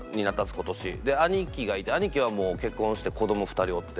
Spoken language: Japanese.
で兄貴がいて兄貴はもう結婚して子ども２人おって。